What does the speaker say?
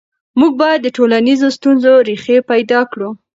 موږ باید د ټولنیزو ستونزو ریښې پیدا کړو.